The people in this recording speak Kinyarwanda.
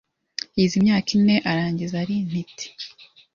Yize imyaka ine, arangiza ari intiti